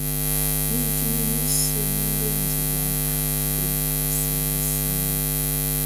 Mimfin mise mi mbe ndiban a afip bifas meseñ.